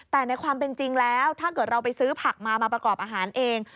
แต่ในความเป็นจริงแล้วถ้าเกิดเราไปซื้อผักมามาประกอบอาหารเอง